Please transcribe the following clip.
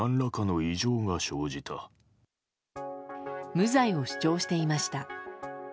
無罪を主張していました。